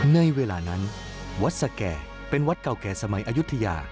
ในเวลานั้นวัดสแก่เป็นวัดเก่าแก่สมัยอายุทยา